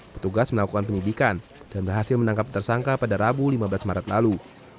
petugas melakukan penyidikan dan berhasil menangkap tersangka pada rabu lima belas maret lalu